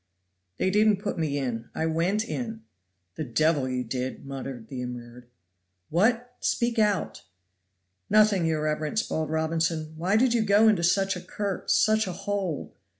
"They didn't put me in. I went in." "The devil you did!" muttered the immured. "What? Speak out." "Nothing, your reverence," bawled Robinson. "Why did you go into such a cur into such a hole?"